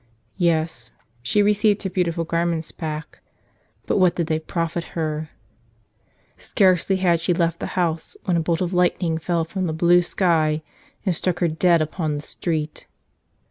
Yes; she received her beautiful garments back; but what did they profit her? Scarcely had she left the house when a bolt of lightning fell from the blue sky and struck her dead upon the street.